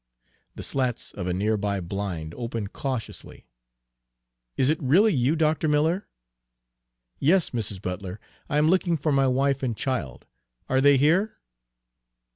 The slats of a near by blind opened cautiously. "Is it really you, Dr. Miller?" "Yes, Mrs. Butler. I am looking for my wife and child, are they here?"